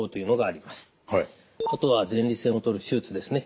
あとは前立腺を取る手術ですね。